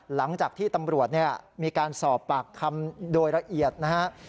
หลังจากที่ตำรวจมีการสอบปากคำโดยละเอียดนะฮะ